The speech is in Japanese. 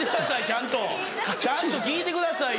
ちゃんと聴いてください